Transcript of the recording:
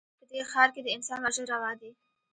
په دې ښـار کښې د انسان وژل روا دي